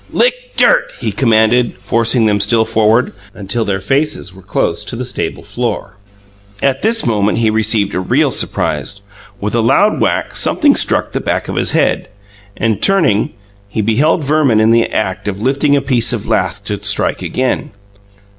"Lick dirt!" he commanded, forcing them still forward, until their faces were close to the stable floor. At this moment he received a real surprise. With a loud whack something struck the back of his head, and, turning, he beheld Verman in the act of lifting a piece of lath to strike again.